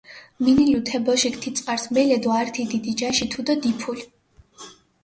მინილუ თე ბოშიქ თი წყარს მელე დო ართი დიდი ჯაში თუდო დიფულჷ.